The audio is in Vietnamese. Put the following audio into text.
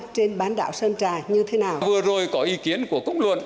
trên bán đảo sơn trà như thế nào